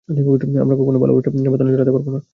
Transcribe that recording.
আমরা কখনও ভালোবাসার বাঁধনে জড়াতে পারব না!